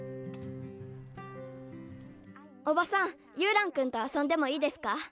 おばさんユーランくんとあそんでもいいですか？